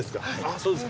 そうですか。